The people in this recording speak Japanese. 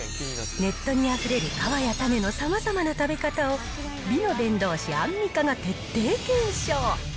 ネットにあふれる皮や種のさまざまな食べ方を、美の伝道師、アンミカが徹底検証。